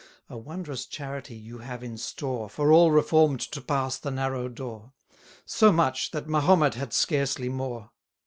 A wondrous charity you have in store For all reform'd to pass the narrow door: So much, that Mahomet had scarcely more.